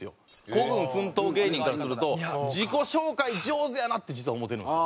孤軍奮闘芸人からすると自己紹介上手やなって実は思ってるんですよ。